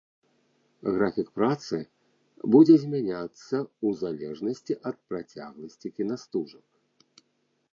Графік працы будзе змяняцца ў залежнасці ад працягласці кінастужак.